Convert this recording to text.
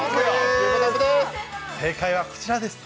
正解はこちらです。